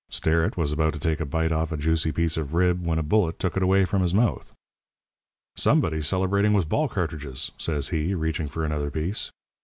Sterrett was about to take a bite off a juicy piece of rib when a bullet took it away from his mouth. "'Somebody's celebrating with ball cartridges,' says he, reaching for another piece.